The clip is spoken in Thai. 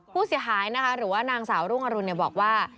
ผู้เสียหายนะคะหรือว่านางสาวรุ่งอรุณบอกว่า